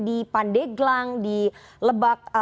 di pandeglang di lebak